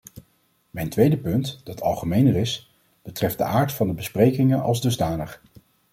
Mijn tweede punt, dat algemener is, betreft de aard van de besprekingen als dusdanig.